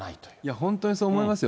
本当にそう思いますよ。